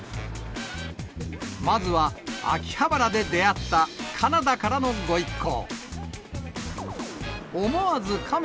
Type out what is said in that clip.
まずは秋葉原で出会った、カナダからの御一行。